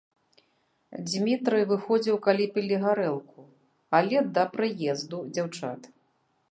Дзмітрый выходзіў, калі пілі гарэлку, але да прыезду дзяўчат.